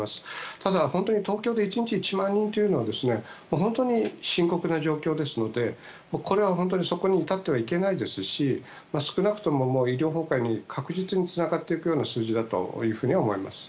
ただ、東京で１日１万人というのは本当に深刻な状況ですのでこれは本当にそこに至ってはいけないですし少なくとも医療崩壊に確実につながるような数字だと思います。